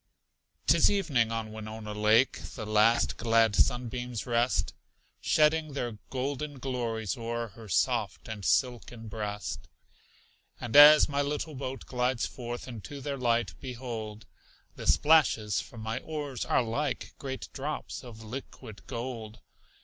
'Tis evening; on Winona Lake The last glad sunbeams rest, Shedding their golden glories o'er Her soft and silken breast. And as my little boat glides forth Into their light, behold! The splashes from my oars are like Great drops of liquid gold.